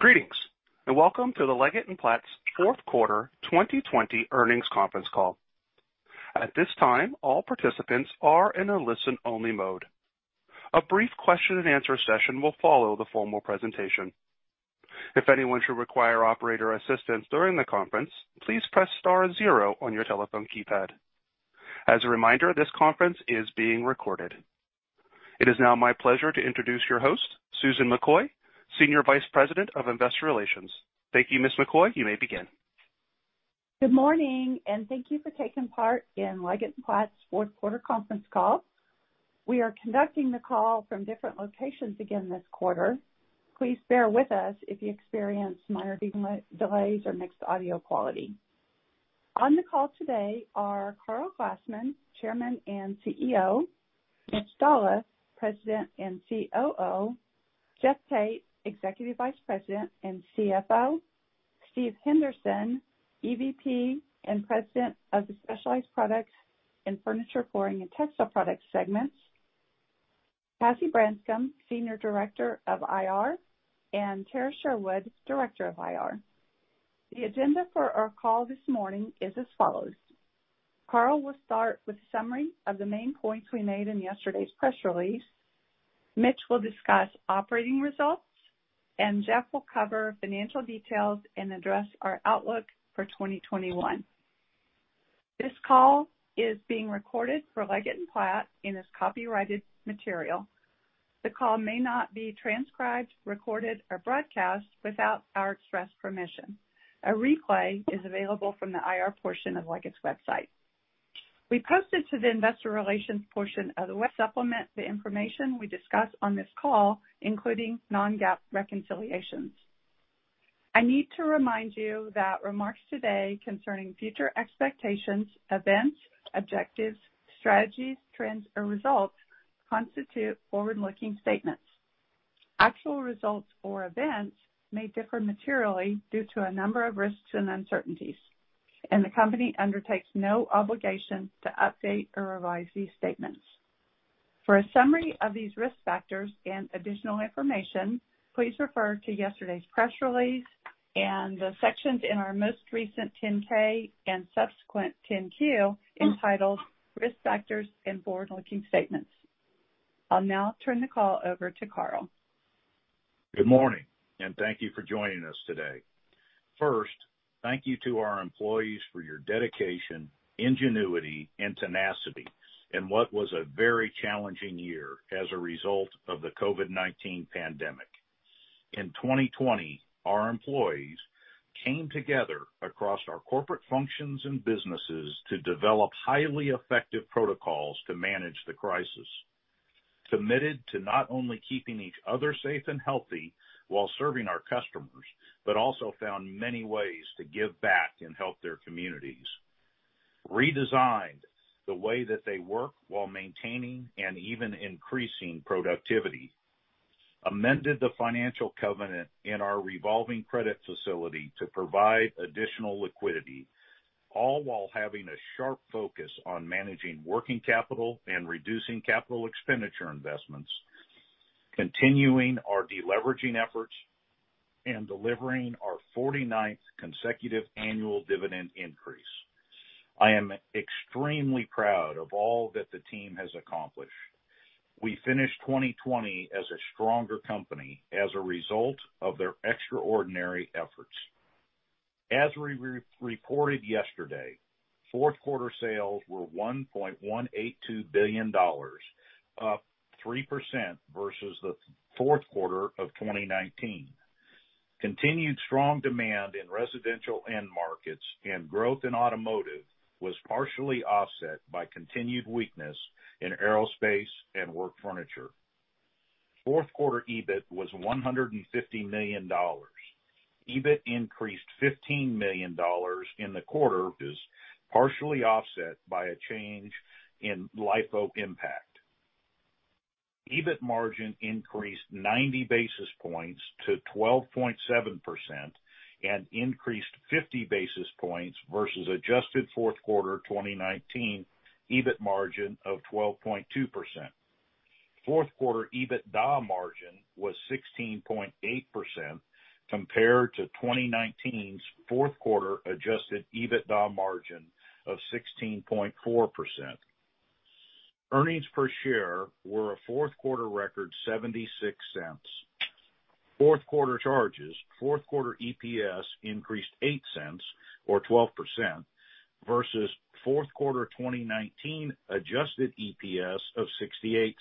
Greetings, and welcome to Leggett & Platt's fourth quarter 2020 earnings conference call. At this time, all participants are in a listen-only mode. A brief question and answer session will follow the formal presentation. If anyone should require operator assistance during the conference, please press star zero on your telephone keypad. As a reminder, this conference is being recorded. It is now my pleasure to introduce your host, Susan McCoy, Senior Vice President of Investor Relations. Thank you, Ms. McCoy. You may begin. Good morning, and thank you for taking part in Leggett & Platt's fourth quarter conference call. We are conducting the call from different locations again this quarter. Please bear with us if you experience minor delays or mixed audio quality. On the call today are Karl Glassman, Chairman and CEO; Mitch Dolloff, President and COO; Jeff Tate, Executive Vice President and CFO; Steve Henderson, EVP and President of the Specialized Products and Furniture, Flooring, and Textile Products segments; Cassie Branscum, Senior Director of IR; and Tarah Sherwood, Director of IR. The agenda for our call this morning is as follows. Karl will start with a summary of the main points we made in yesterday's press release. Mitch will discuss operating results, and Jeff will cover financial details and address our outlook for 2021. This call is being recorded for Leggett & Platt and is copyrighted material. The call may not be transcribed, recorded, or broadcast without our express permission. A replay is available from the IR portion of Leggett's website. We posted to the investor relations portion of the web supplement the information we discussed on this call, including non-GAAP reconciliations. I need to remind you that remarks today concerning future expectations, events, objectives, strategies, trends, or results constitute forward-looking statements. Actual results or events may differ materially due to a number of risks and uncertainties, and the company undertakes no obligation to update or revise these statements. For a summary of these risk factors and additional information, please refer to yesterday's press release and the sections in our most recent 10-K and subsequent 10-Q entitled Risk Factors and Forward-Looking Statements. I'll now turn the call over to Karl. Good morning, and thank you for joining us today. First, thank you to our employees for your dedication, ingenuity, and tenacity in what was a very challenging year as a result of the COVID-19 pandemic. In 2020, our employees came together across our corporate functions and businesses to develop highly effective protocols to manage the crisis, committed to not only keeping each other safe and healthy while serving our customers, but also found many ways to give back and help their communities, redesigned the way that they work while maintaining and even increasing productivity, amended the financial covenant in our revolving credit facility to provide additional liquidity, all while having a sharp focus on managing working capital and reducing capital expenditure investments, continuing our deleveraging efforts, and delivering our 49th consecutive annual dividend increase. I am extremely proud of all that the team has accomplished. We finished 2020 as a stronger company as a result of their extraordinary efforts. As we reported yesterday, fourth quarter sales were $1.182 billion, up 3% versus the fourth quarter of 2019. Continued strong demand in residential end markets and growth in automotive was partially offset by continued weakness in aerospace and work furniture. Fourth quarter EBIT was $150 million. EBIT increased $15 million in the quarter, partially offset by a change in LIFO impact. EBIT margin increased 90 basis points to 12.7% and increased 50 basis points versus adjusted fourth quarter 2019 EBIT margin of 12.2%. Fourth quarter EBITDA margin was 16.8% compared to 2019's fourth quarter adjusted EBITDA margin of 16.4%. Earnings per share were a fourth quarter record $0.76. Fourth quarter charges. Fourth quarter EPS increased $0.08 or 12% versus fourth quarter 2019 adjusted EPS of $0.68.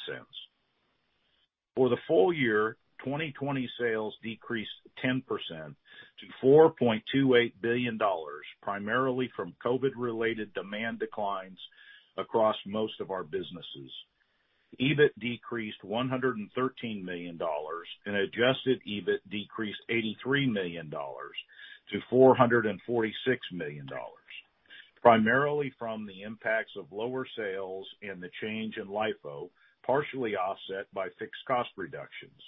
For the full year, 2020 sales decreased 10% to $4.28 billion, primarily from COVID-19 related demand declines across most of our businesses. EBIT decreased $113 million, and adjusted EBIT decreased $83 million to $446 million, primarily from the impacts of lower sales and the change in LIFO, partially offset by fixed cost reductions.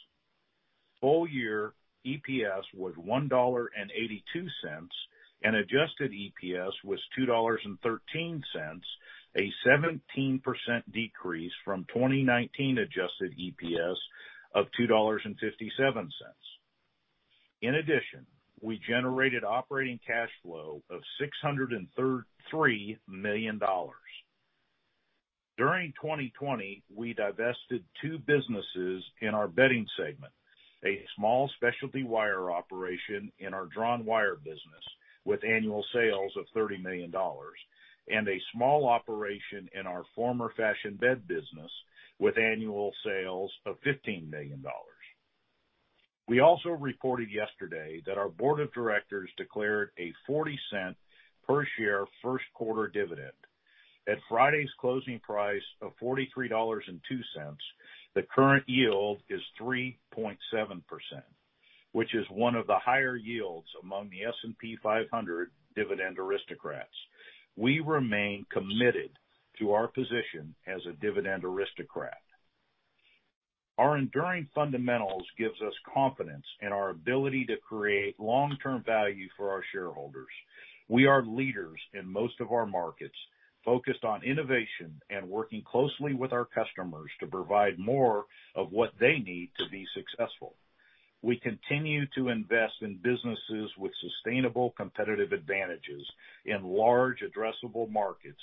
Full year EPS was $1.82. Adjusted EPS was $2.13, a 17% decrease from 2019 adjusted EPS of $2.57. In addition, we generated operating cash flow of $633 million. During 2020, we divested two businesses in our Bedding segment, a small specialty wire operation in our Drawn Wire business with annual sales of $30 million, and a small operation in our former Fashion Bed business with annual sales of $15 million. We also reported yesterday that our board of directors declared a $0.40 per share first quarter dividend. At Friday's closing price of $43.02, the current yield is 3.7%, which is one of the higher yields among the S&P 500 dividend aristocrats. We remain committed to our position as a dividend aristocrat. Our enduring fundamentals give us confidence in our ability to create long-term value for our shareholders. We are leaders in most of our markets, focused on innovation and working closely with our customers to provide more of what they need to be successful. We continue to invest in businesses with sustainable competitive advantages in large addressable markets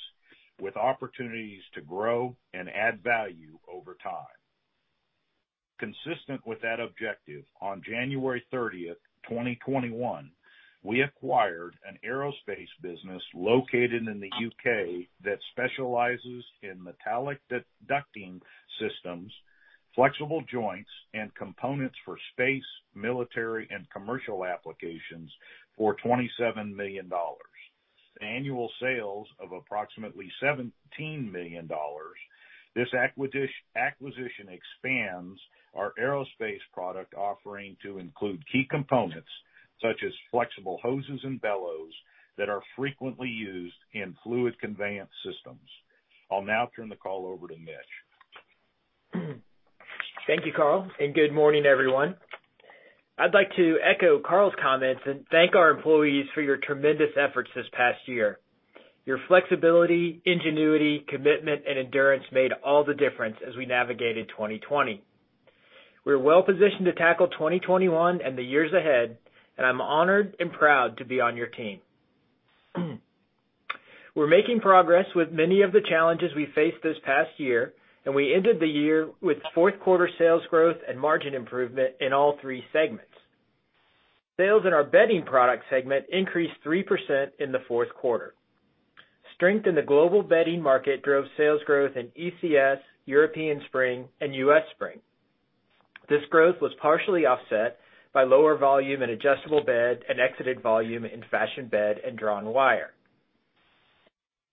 with opportunities to grow and add value over time. Consistent with that objective, on January 30, 2021, we acquired an aerospace business located in the U.K. that specializes in metallic ducting systems, flexible joints, and components for space, military, and commercial applications for $27 million. Annual sales of approximately $17 million. This acquisition expands our aerospace product offering to include key components such as flexible hoses and bellows that are frequently used in fluid conveyance systems. I'll now turn the call over to Mitch. Thank you, Karl, and good morning, everyone. I'd like to echo Karl's comments and thank our employees for your tremendous efforts this past year. Your flexibility, ingenuity, commitment, and endurance made all the difference as we navigated 2020. We're well-positioned to tackle 2021 and the years ahead, and I'm honored and proud to be on your team. We're making progress with many of the challenges we faced this past year, and we ended the year with fourth quarter sales growth and margin improvement in all three segments. Sales in our Bedding product segment increased 3% in the fourth quarter. Strength in the global bedding market drove sales growth in ECS, European Spring, and U.S. Spring. This growth was partially offset by lower volume in Adjustable Bed and exited volume in Fashion Bed and Drawn Wire.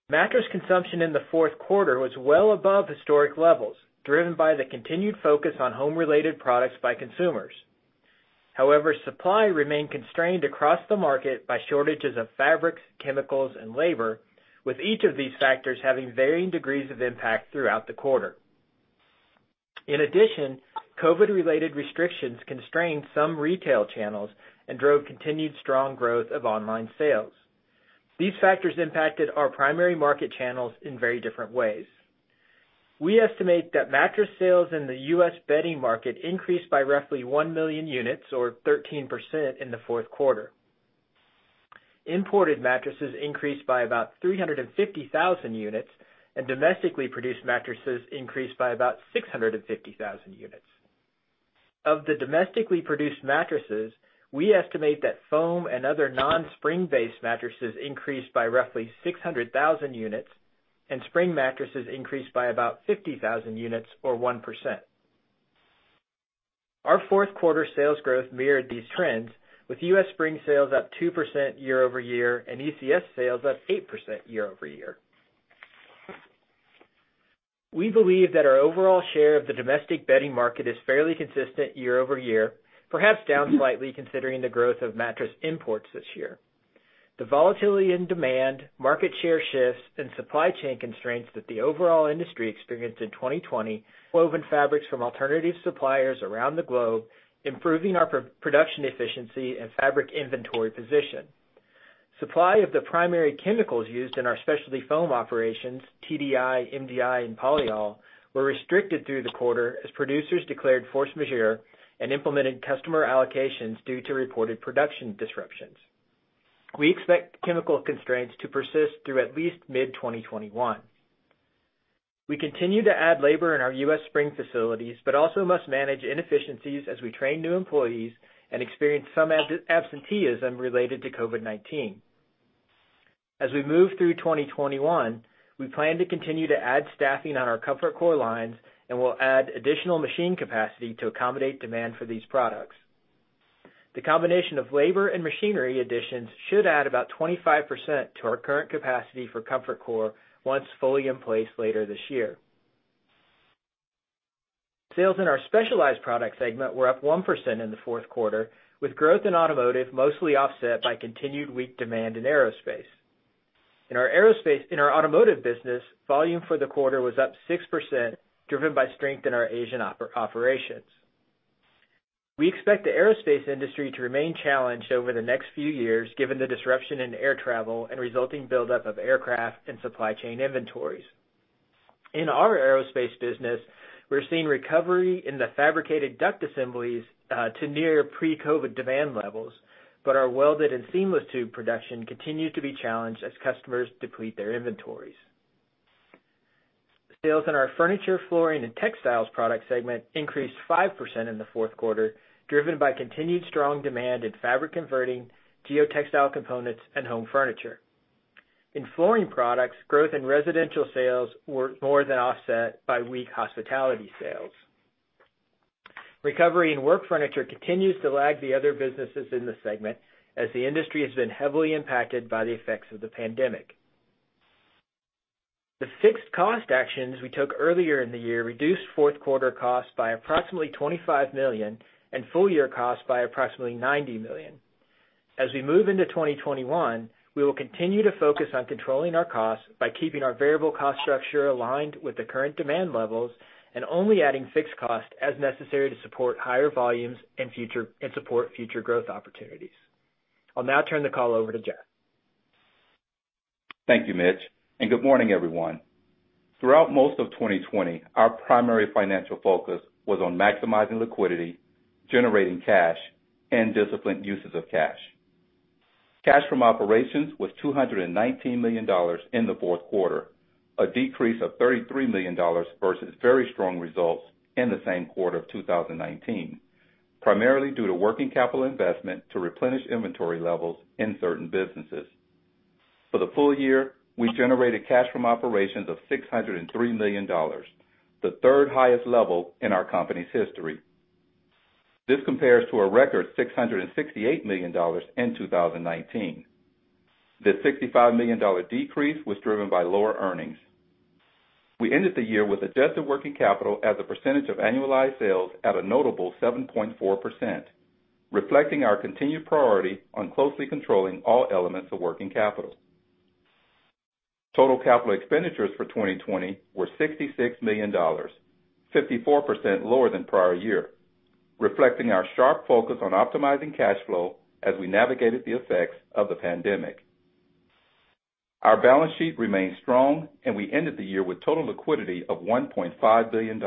Mattress consumption in the fourth quarter was well above historic levels, driven by the continued focus on home-related products by consumers. However, supply remained constrained across the market by shortages of fabrics, chemicals, and labor, with each of these factors having varying degrees of impact throughout the quarter. In addition, COVID-related restrictions constrained some retail channels and drove continued strong growth of online sales. These factors impacted our primary market channels in very different ways. We estimate that mattress sales in the U.S. bedding market increased by roughly 1 million units or 13% in the fourth quarter. Imported mattresses increased by about 350,000 units, and domestically produced mattresses increased by about 650,000 units. Of the domestically produced mattresses, we estimate that foam and other non-spring base mattresses increased by roughly 600,000 units, and spring mattresses increased by about 50,000 units or 1%. Our fourth quarter sales growth mirrored these trends, with U.S. Spring sales up 2% year-over-year and ECS sales up 8% year-over-year. We believe that our overall share of the domestic bedding market is fairly consistent year-over-year, perhaps down slightly considering the growth of mattress imports this year. The volatility in demand, market share shifts, and supply chain constraints that the overall industry experienced in 2020. Woven fabrics from alternative suppliers around the globe, improving our production efficiency and fabric inventory position. Supply of the primary chemicals used in our specialty foam operations, TDI, MDI, and polyol, were restricted through the quarter as producers declared force majeure and implemented customer allocations due to reported production disruptions. We expect chemical constraints to persist through at least mid-2021. We continue to add labor in our U.S. Spring facilities, but also must manage inefficiencies as we train new employees and experience some absenteeism related to COVID-19. As we move through 2021, we plan to continue to add staffing on our Comfort Core lines and will add additional machine capacity to accommodate demand for these products. The combination of labor and machinery additions should add about 25% to our current capacity for Comfort Core once fully in place later this year. Sales in our specialized product segment were up 1% in the fourth quarter, with growth in automotive mostly offset by continued weak demand in aerospace. In our automotive business, volume for the quarter was up 6%, driven by strength in our Asian operations. We expect the aerospace industry to remain challenged over the next few years, given the disruption in air travel and resulting buildup of aircraft and supply chain inventories. In our aerospace business, we are seeing recovery in the fabricated duct assemblies to near pre-COVID demand levels, but our welded and seamless tube production continued to be challenged as customers deplete their inventories. Sales in our Furniture, Flooring, and Textile Products segment increased 5% in the fourth quarter, driven by continued strong demand in fabric converting, geotextile components, and home furniture. In flooring products, growth in residential sales were more than offset by weak hospitality sales. Recovery in work furniture continues to lag the other businesses in the segment, as the industry has been heavily impacted by the effects of the pandemic. The fixed cost actions we took earlier in the year reduced fourth quarter costs by approximately $25 million and full-year costs by approximately $90 million. As we move into 2021, we will continue to focus on controlling our costs by keeping our variable cost structure aligned with the current demand levels, and only adding fixed cost as necessary to support higher volumes and support future growth opportunities. I'll now turn the call over to Jeff. Thank you, Mitch, and good morning, everyone. Throughout most of 2020, our primary financial focus was on maximizing liquidity, generating cash, and disciplined uses of cash. Cash from operations was $219 million in the fourth quarter, a decrease of $33 million versus very strong results in the same quarter of 2019, primarily due to working capital investment to replenish inventory levels in certain businesses. For the full year, we generated cash from operations of $603 million, the third highest level in our company's history. This compares to a record $668 million in 2019. The $65 million decrease was driven by lower earnings. We ended the year with a debt to working capital as a percentage of annualized sales at a notable 7.4%, reflecting our continued priority on closely controlling all elements of working capital. Total capital expenditures for 2020 were $66 million, 54% lower than prior year, reflecting our sharp focus on optimizing cash flow as we navigated the effects of the pandemic. Our balance sheet remained strong, and we ended the year with total liquidity of $1.5 billion,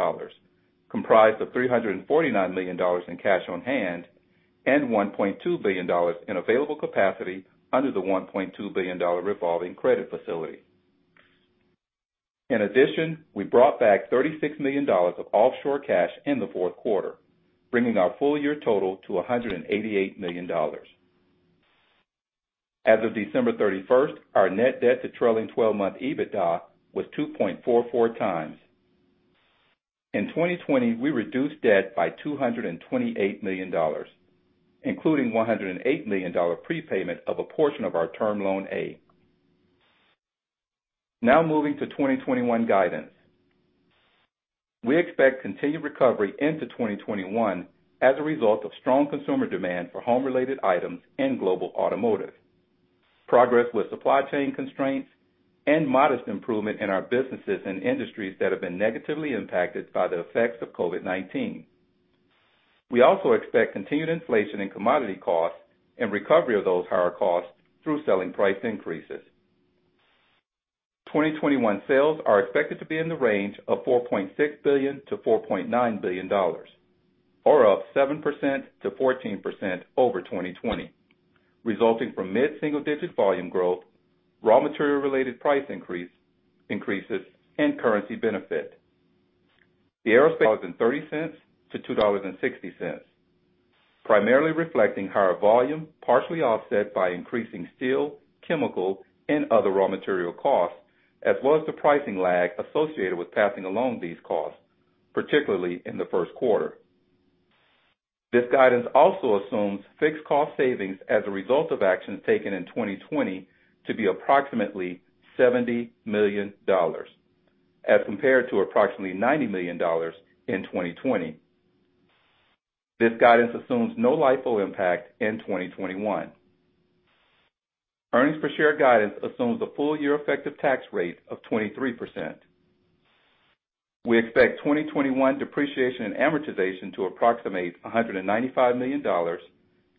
comprised of $349 million in cash on hand and $1.2 billion in available capacity under the $1.2 billion revolving credit facility. In addition, we brought back $36 million of offshore cash in the fourth quarter, bringing our full-year total to $188 million. As of December 31st, our net debt to trailing 12-month EBITDA was 2.44 times. In 2020, we reduced debt by $228 million, including $108 million prepayment of a portion of our Term Loan A. Now moving to 2021 guidance. We expect continued recovery into 2021 as a result of strong consumer demand for home-related items and global automotive, progress with supply chain constraints, and modest improvement in our businesses and industries that have been negatively impacted by the effects of COVID-19. We also expect continued inflation in commodity costs and recovery of those higher costs through selling price increases. 2021 sales are expected to be in the range of $4.6 billion-$4.9 billion, or up 7%-14% over 2020, resulting from mid-single-digit volume growth, raw material related price increases, and currency benefit. $0.30-$2.60, primarily reflecting higher volume, partially offset by increasing steel, chemical, and other raw material costs, as well as the pricing lag associated with passing along these costs, particularly in the first quarter. This guidance also assumes fixed cost savings as a result of actions taken in 2020 to be approximately $70 million, as compared to approximately $90 million in 2020. This guidance assumes no LIFO impact in 2021. Earnings per share guidance assumes a full-year effective tax rate of 23%. We expect 2021 depreciation and amortization to approximate $195 million,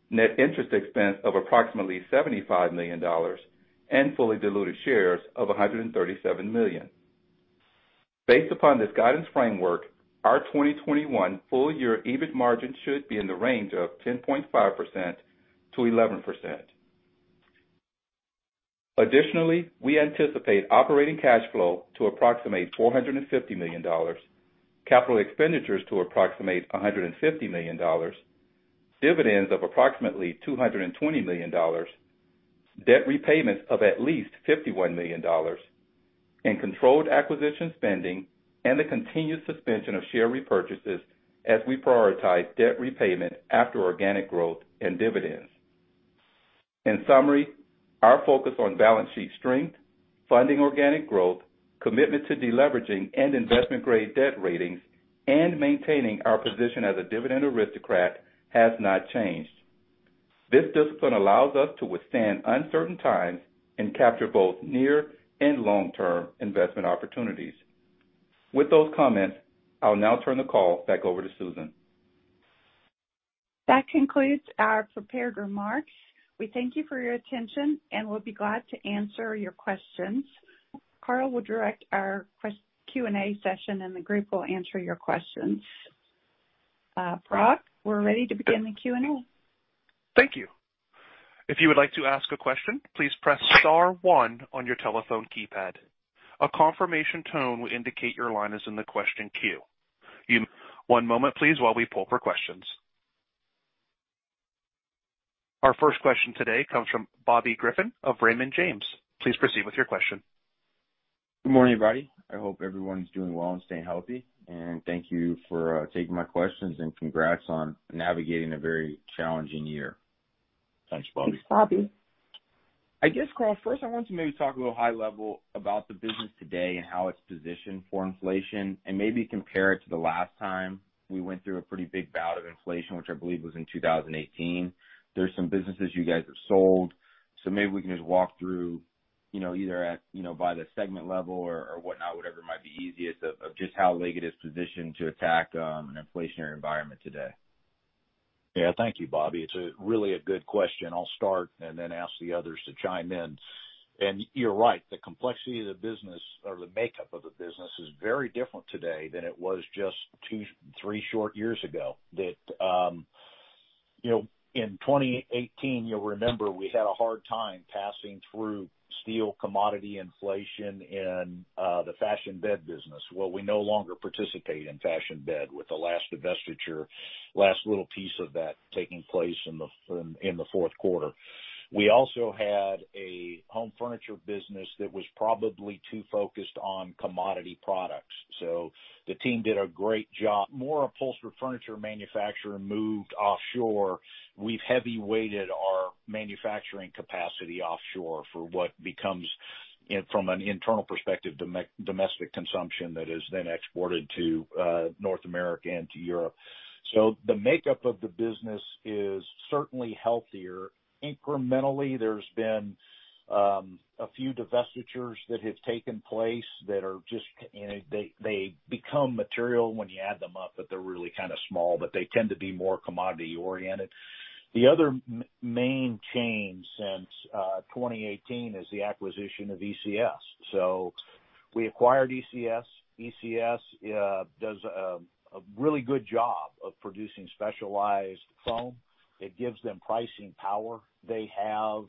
net interest expense of approximately $75 million, and fully diluted shares of 137 million. Based upon this guidance framework, our 2021 full-year EBIT margin should be in the range of 10.5%-11%. Additionally, we anticipate operating cash flow to approximate $450 million, capital expenditures to approximate $150 million, dividends of approximately $220 million, debt repayments of at least $51 million, and controlled acquisition spending and the continued suspension of share repurchases as we prioritize debt repayment after organic growth and dividends. In summary, our focus on balance sheet strength, funding organic growth, commitment to deleveraging and investment-grade debt ratings, and maintaining our position as a dividend aristocrat has not changed. This discipline allows us to withstand uncertain times and capture both near and long-term investment opportunities. With those comments, I will now turn the call back over to Susan. That concludes our prepared remarks. We thank you for your attention, and we'll be glad to answer your questions. Karl will direct our Q&A session, and the group will answer your questions. Brock, we're ready to begin the Q&A. Thank you. If you would like to ask a question, please press star one on your telephone keypad. A confirmation tone will indicate your line is in the question queue. One moment please, while we poll for questions. Our first question today comes from Bobby Griffin of Raymond James. Please proceed with your question. Good morning, everybody. I hope everyone's doing well and staying healthy. Thank you for taking my questions and congrats on navigating a very challenging year. Thanks, Bobby. Thanks, Bobby. I guess, Karl, first, I wanted to maybe talk a little high level about the business today and how it is positioned for inflation and maybe compare it to the last time we went through a pretty big bout of inflation, which I believe was in 2018. There are some businesses you guys have sold, so maybe we can just walk through either by the segment level or whatnot, whatever might be easiest, of just how Leggett is positioned to attack an inflationary environment today. Yeah, thank you, Bobby. It is really a good question. I will start and then ask the others to chime in. You are right, the complexity of the business or the makeup of the business is very different today than it was just two, three short years ago. That in 2018, you will remember, we had a hard time passing through steel commodity inflation in the Fashion Bed business. Well, we no longer participate in Fashion Bed with the last divestiture, last little piece of that taking place in the fourth quarter. We also had a home furniture business that was probably too focused on commodity products. The team did a great job. More upholstered furniture manufacturing moved offshore. We have heavy weighted our manufacturing capacity offshore for what becomes, from an internal perspective, domestic consumption that is then exported to North America and to Europe. The makeup of the business is certainly healthier. Incrementally, there has been a few divestitures that have taken place that are They become material when you add them up, but they are really kind of small, but they tend to be more commodity oriented. The other main change since 2018 is the acquisition of ECS. We acquired ECS. ECS does a really good job of producing specialized foam. It gives them pricing power. They have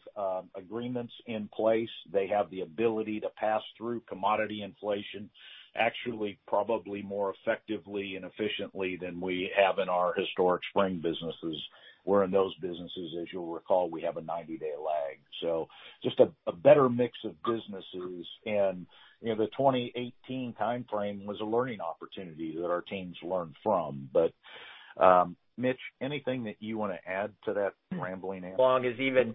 agreements in place. They have the ability to pass through commodity inflation, actually, probably more effectively and efficiently than we have in our historic spring businesses, where in those businesses, as you will recall, we have a 90-day lag. Just a better mix of businesses. The 2018 timeframe was a learning opportunity that our teams learned from. Mitch, anything that you want to add to that rambling answer? Along is even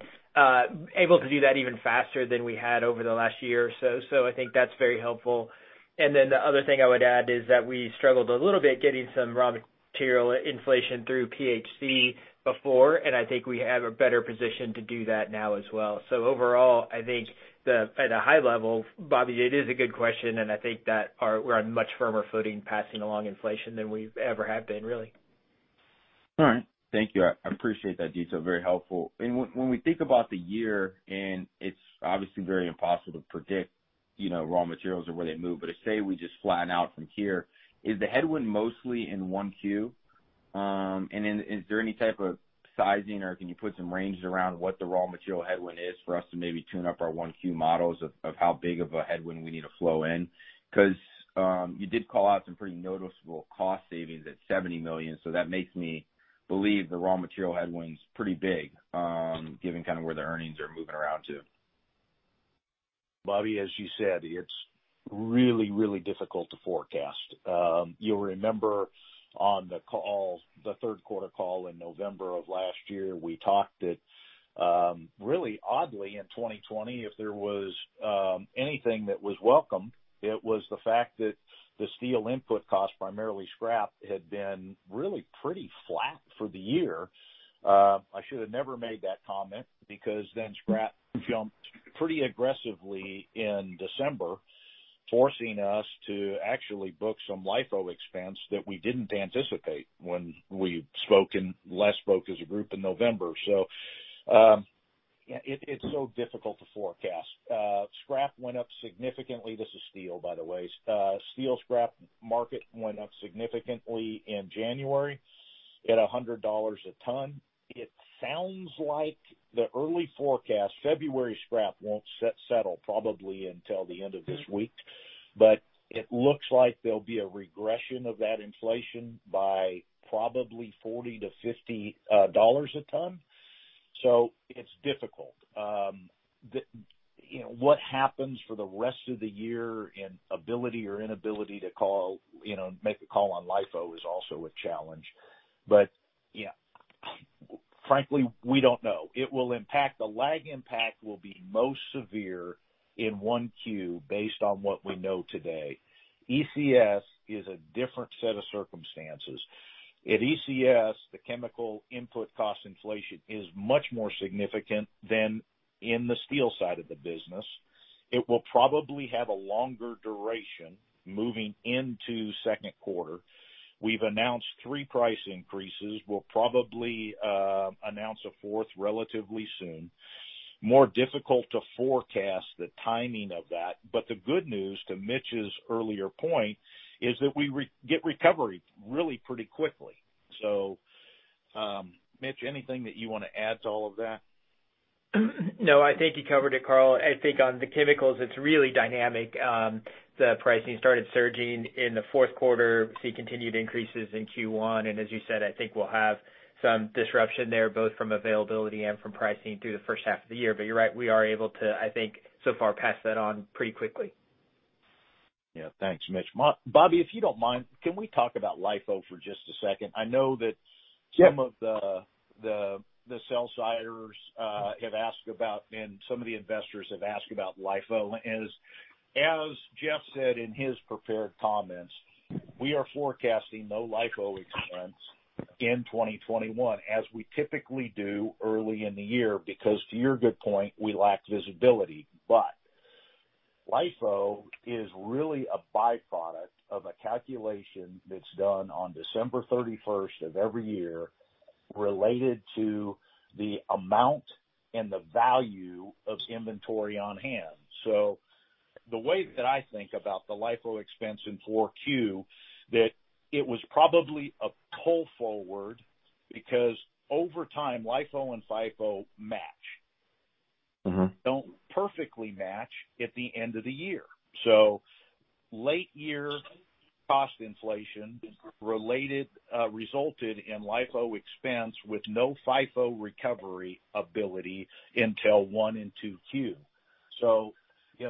able to do that even faster than we had over the last year or so. I think that's very helpful. The other thing I would add is that we struggled a little bit getting some raw material inflation through PPI before, and I think we have a better position to do that now as well. Overall, I think at a high level, Bobby, it is a good question, and I think that we're on much firmer footing passing along inflation than we ever have been, really. All right. Thank you. I appreciate that detail. Very helpful. When we think about the year, and it's obviously very impossible to predict raw materials or where they move, but if, say, we just flatten out from here, is the headwind mostly in 1Q? Is there any type of sizing, or can you put some ranges around what the raw material headwind is for us to maybe tune up our 1Q models of how big of a headwind we need to flow in? Because you did call out some pretty noticeable cost savings at $70 million. That makes me believe the raw material headwind's pretty big, given kind of where the earnings are moving around to. Bobby, as you said, it's really, really difficult to forecast. You'll remember on the third quarter call in November of last year, we talked that really oddly in 2020, if there was anything that was welcome, it was the fact that the steel input cost, primarily scrap, had been really pretty flat for the year. I should have never made that comment because then scrap jumped pretty aggressively in December, forcing us to actually book some LIFO expense that we didn't anticipate when we last spoke as a group in November. It's so difficult to forecast. Scrap went up significantly. This is steel, by the way. Steel scrap market went up significantly in January at $100 a ton. It sounds like the early forecast, February scrap won't settle probably until the end of this week, but it looks like there'll be a regression of that inflation by probably $40-$50 a ton. It's difficult. What happens for the rest of the year in ability or inability to make a call on LIFO is also a challenge. Yeah, frankly, we don't know. The lag impact will be most severe in 1Q based on what we know today. ECS is a different set of circumstances. At ECS, the chemical input cost inflation is much more significant than in the steel side of the business. It will probably have a longer duration moving into second quarter. We've announced three price increases. We'll probably announce a fourth relatively soon. More difficult to forecast the timing of that, the good news, to Mitch's earlier point, is that we get recovery really pretty quickly. Mitch, anything that you want to add to all of that? I think you covered it, Karl. I think on the chemicals, it's really dynamic. The pricing started surging in the fourth quarter. We see continued increases in Q1, as you said, I think we'll have some disruption there, both from availability and from pricing through the first half of the year. You're right, we are able to, I think, so far, pass that on pretty quickly. Thanks, Mitch. Bobby, if you don't mind, can we talk about LIFO for just a second? Sure Some of the sell-siders have asked about, some of the investors have asked about LIFO. As Jeff said in his prepared comments, we are forecasting no LIFO expense in 2021, as we typically do early in the year, because to your good point, we lack visibility. LIFO is really a by-product of a calculation that's done on December 31st of every year related to the amount and the value of inventory on hand. The way that I think about the LIFO expense in 4Q, that it was probably a pull forward because over time, LIFO and FIFO match. Don't perfectly match at the end of the year. Late year cost inflation resulted in LIFO expense with no FIFO recovery ability until 1 and 2Q.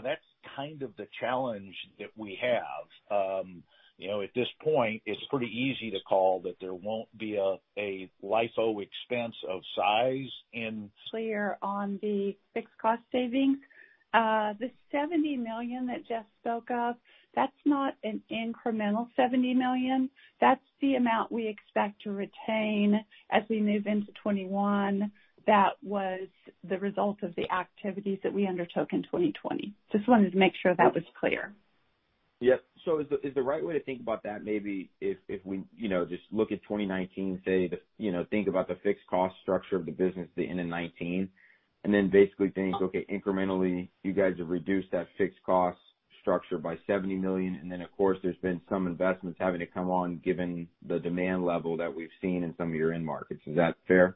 That's kind of the challenge that we have. At this point, it's pretty easy to call that there won't be a LIFO expense of size. Clear on the fixed cost savings. The $70 million that Jeff spoke of, that's not an incremental $70 million. That's the amount we expect to retain as we move into 2021. That was the result of the activities that we undertook in 2020. Just wanted to make sure that was clear. Yep. Is the right way to think about that maybe if we just look at 2019, say, think about the fixed cost structure of the business at the end of 2019, and then basically think, okay, incrementally, you guys have reduced that fixed cost structure by $70 million, and then, of course, there's been some investments having to come on given the demand level that we've seen in some of your end markets. Is that fair?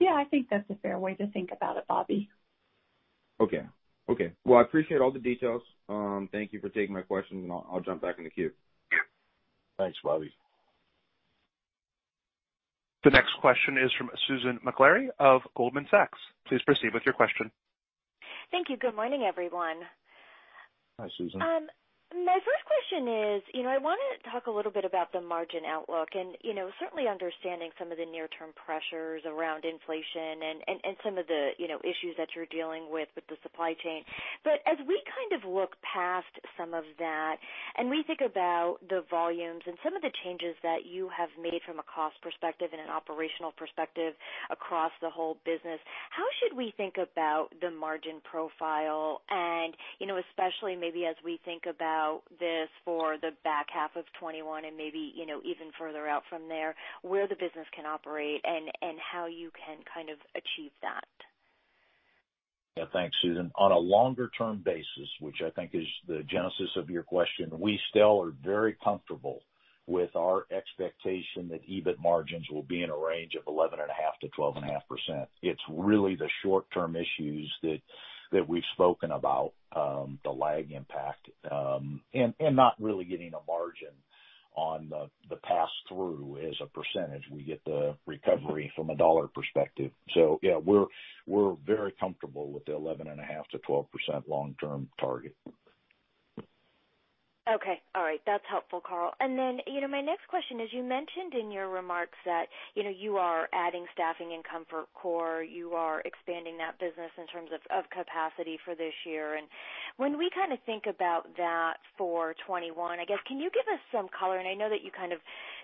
Yeah, I think that's a fair way to think about it, Bobby. Okay. Well, I appreciate all the details. Thank you for taking my questions, and I'll jump back in the queue. Thanks, Bobby. The next question is from Susan Maklari of Goldman Sachs. Please proceed with your question. Thank you. Good morning, everyone. Hi, Susan. My first question is, I want to talk a little bit about the margin outlook and certainly understanding some of the near-term pressures around inflation and some of the issues that you're dealing with the supply chain. As we kind of look past some of that, and we think about the volumes and some of the changes that you have made from a cost perspective and an operational perspective across the whole business, how should we think about the margin profile and, especially maybe as we think about this for the back half of 2021 and maybe even further out from there, where the business can operate and how you can kind of achieve that? Yeah. Thanks, Susan. On a longer-term basis, which I think is the genesis of your question, we still are very comfortable with our expectation that EBIT margins will be in a range of 11.5%-12.5%. It's really the short-term issues that we've spoken about, the lag impact, and not really getting a margin on the pass-through as a percentage. We get the recovery from a dollar perspective. Yeah, we're very comfortable with the 11.5%-12% long-term target. Okay. All right. That's helpful, Karl. Then, my next question is, you mentioned in your remarks that you are adding staffing in Comfort Core. You are expanding that business in terms of capacity for this year. When we kind of think about that for 2021, I guess, can you give us some color, and I know that you kind of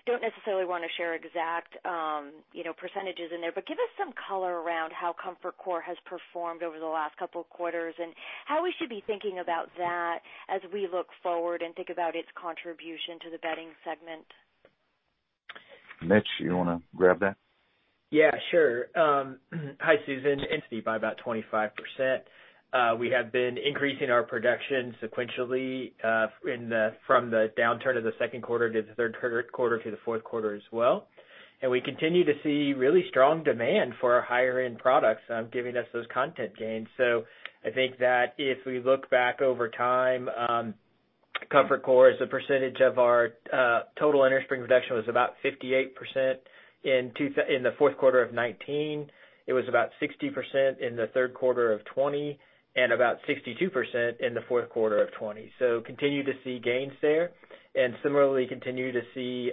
don't necessarily want to share exact percentages in there, but give us some color around how Comfort Core has performed over the last couple of quarters and how we should be thinking about that as we look forward and think about its contribution to the bedding segment. Mitch, you want to grab that? Yeah, sure. Hi, Susan. By about 25%. We have been increasing our production sequentially from the downturn of the second quarter to the third quarter to the fourth quarter as well, and we continue to see really strong demand for our higher-end products, giving us those content gains. I think that if we look back over time, Comfort Core as a percentage of our total innerspring production was about 58% in the fourth quarter of 2019. It was about 60% in the third quarter of 2020, and about 62% in the fourth quarter of 2020. Continue to see gains there, and similarly, continue to see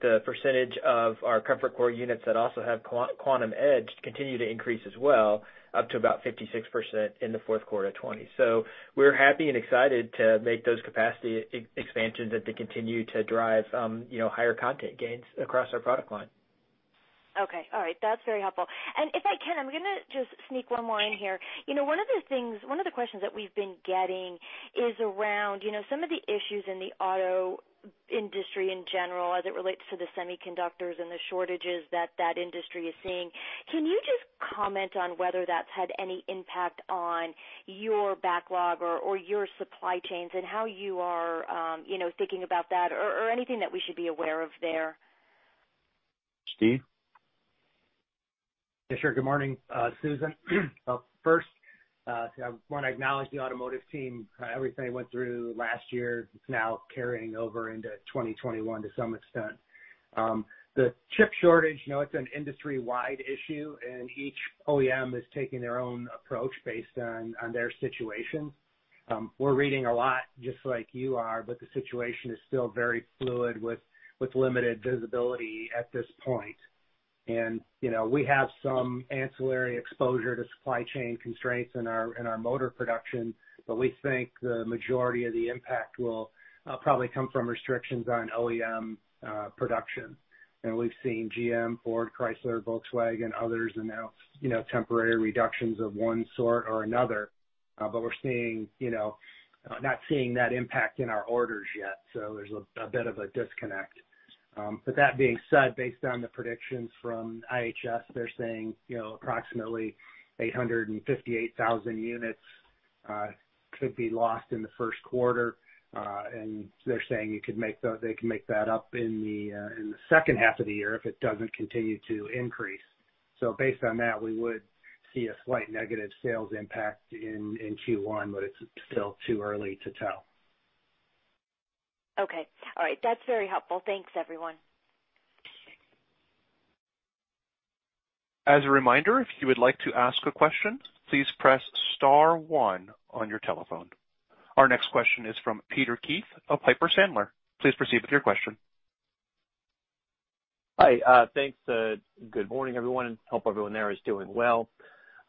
the percentage of our Comfort Core units that also have Quantum Edge continue to increase as well, up to about 56% in the fourth quarter of 2020. We're happy and excited to make those capacity expansions and to continue to drive higher content gains across our product line. Okay. All right. That's very helpful. If I can, I'm going to just sneak one more in here. One of the questions that we've been getting is around some of the issues in the auto industry in general as it relates to the semiconductors and the shortages that that industry is seeing. Can you just comment on whether that's had any impact on your backlog or your supply chains and how you are thinking about that or anything that we should be aware of there? Steve? Yeah, sure. Good morning, Susan. First, I want to acknowledge the automotive team, everything they went through last year, it's now carrying over into 2021 to some extent. The chip shortage, it's an industry-wide issue. Each OEM is taking their own approach based on their situation. We're reading a lot just like you are. The situation is still very fluid with limited visibility at this point. We have some ancillary exposure to supply chain constraints in our motor production. We think the majority of the impact will probably come from restrictions on OEM production. We've seen GM, Ford, Chrysler, Volkswagen, others announce temporary reductions of one sort or another. We're not seeing that impact in our orders yet, so there's a bit of a disconnect. That being said, based on the predictions from IHS, they're saying approximately 858,000 units could be lost in the first quarter. They're saying they can make that up in the second half of the year if it doesn't continue to increase. Based on that, we would see a slight negative sales impact in Q1. It's still too early to tell. Okay. All right. That's very helpful. Thanks, everyone. As a reminder, if you would like to ask a question, please press star one on your telephone. Our next question is from Peter Keith of Piper Sandler. Please proceed with your question. Hi. Thanks. Good morning, everyone. Hope everyone there is doing well.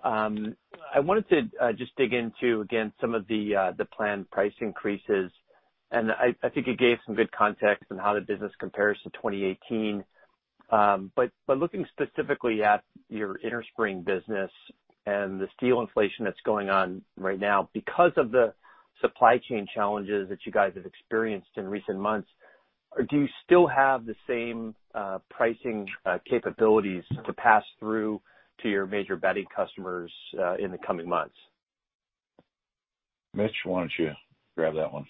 I wanted to just dig into, again, some of the planned price increases. I think you gave some good context on how the business compares to 2018. Looking specifically at your innerspring business and the steel inflation that's going on right now, because of the supply chain challenges that you guys have experienced in recent months, do you still have the same pricing capabilities to pass through to your major bedding customers in the coming months? Mitch, why don't you grab that one?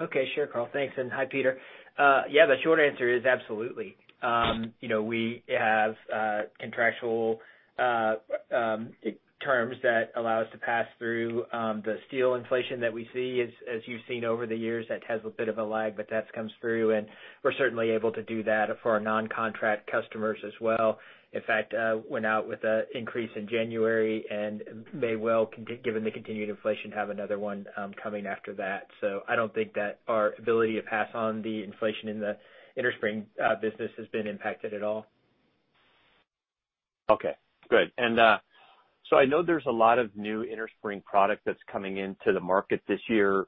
Okay. Sure, Karl. Thanks, and hi, Peter. The short answer is absolutely. We have contractual terms that allow us to pass through the steel inflation that we see. As you've seen over the years, that has a bit of a lag, but that comes through, and we're certainly able to do that for our non-contract customers as well. In fact, went out with an increase in January, and may well, given the continued inflation, have another one coming after that. I don't think that our ability to pass on the inflation in the innerspring business has been impacted at all. Okay, good. I know there's a lot of new innerspring product that's coming into the market this year.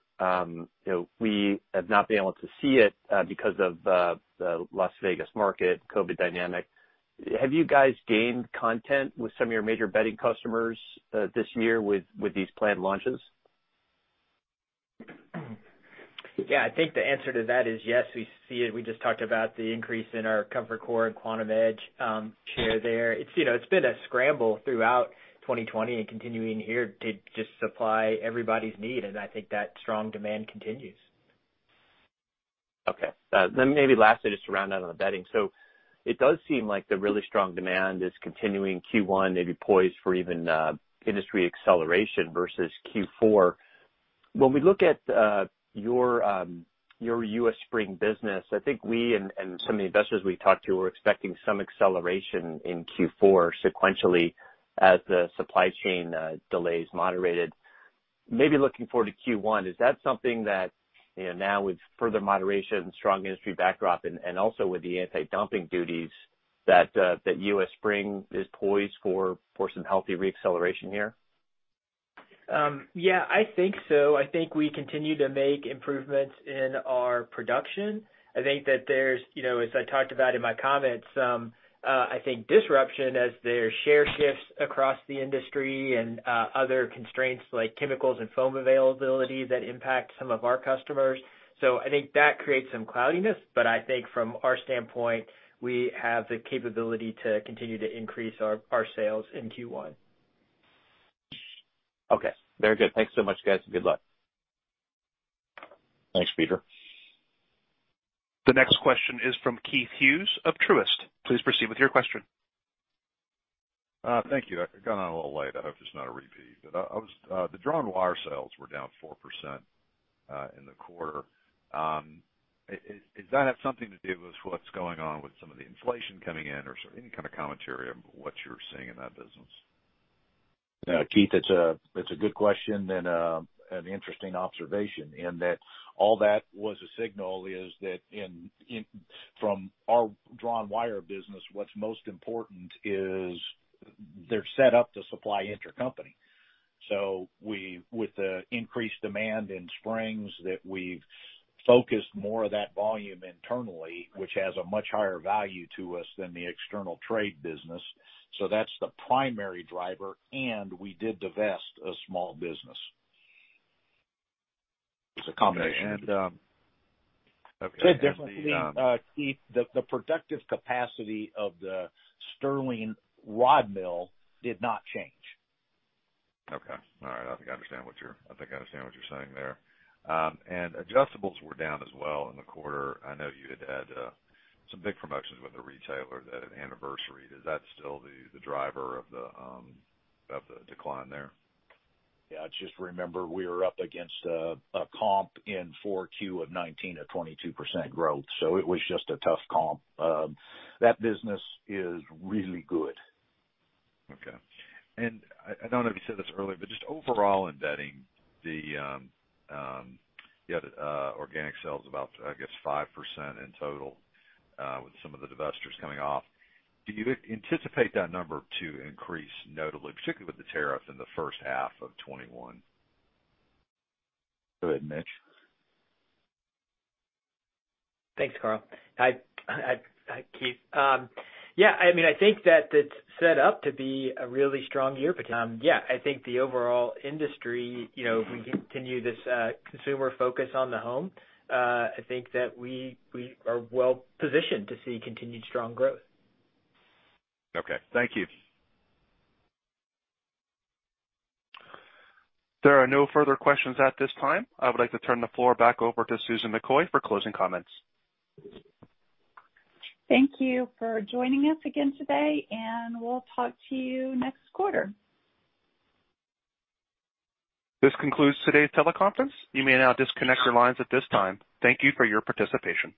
We have not been able to see it because of the Las Vegas market COVID dynamic. Have you guys gained content with some of your major bedding customers this year with these planned launches? Yeah, I think the answer to that is yes. We see it. We just talked about the increase in our Comfort Core and Quantum Edge share there. It's been a scramble throughout 2020 and continuing here to just supply everybody's need, and I think that strong demand continues. Okay. Maybe lastly, just to round out on the bedding. It does seem like the really strong demand is continuing Q1, maybe poised for even industry acceleration versus Q4. When we look at your U.S. Spring business, I think we and some of the investors we've talked to were expecting some acceleration in Q4 sequentially as the supply chain delays moderated. Maybe looking forward to Q1, is that something that now with further moderation, strong industry backdrop, and also with the anti-dumping duties, that U.S. Spring is poised for some healthy re-acceleration here? Yeah, I think so. I think we continue to make improvements in our production. I think that there's, as I talked about in my comments, I think disruption as there are share shifts across the industry and other constraints like chemicals and foam availability that impact some of our customers. I think that creates some cloudiness, but I think from our standpoint, we have the capability to continue to increase our sales in Q1. Okay. Very good. Thanks so much, guys. Good luck. Thanks, Peter. The next question is from Keith Hughes of Truist. Please proceed with your question. Thank you. Got on a little late. I hope it's not a repeat. The Drawn Wire sales were down 4% in the quarter. Does that have something to do with what's going on with some of the inflation coming in or any kind of commentary on what you're seeing in that business? Keith, it's a good question and an interesting observation in that all that was a signal is that from our Drawn Wire business, what's most important is They're set up to supply intercompany. With the increased demand in springs that we've focused more of that volume internally, which has a much higher value to us than the external trade business. That's the primary driver, and we did divest a small business. It's a combination. Okay. It definitely, Keith, the productive capacity of the Sterling rod mill did not change. Okay. All right. I think I understand what you're saying there. Adjustables were down as well in the quarter. I know you had had some big promotions with a retailer that had an anniversary. Is that still the driver of the decline there? Yeah. Just remember, we were up against a comp in 4Q of 2019 of 22% growth, so it was just a tough comp. That business is really good. Okay. I don't know if you said this earlier, but just overall in bedding, the organic sales about, I guess, 5% in total, with some of the divestitures coming off. Do you anticipate that number to increase notably, particularly with the tariffs in the first half of 2021? Go ahead, Mitch. Thanks, Karl. Hi, Keith. Yeah, I think that it's set up to be a really strong year. I think the overall industry, if we continue this consumer focus on the home, I think that we are well-positioned to see continued strong growth. Okay. Thank you. There are no further questions at this time. I would like to turn the floor back over to Susan McCoy for closing comments. Thank you for joining us again today. We'll talk to you next quarter. This concludes today's teleconference. You may now disconnect your lines at this time. Thank you for your participation.